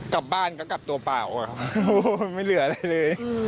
กลับบ้านก็กลับตัวเปล่าครับไม่เหลืออะไรเลย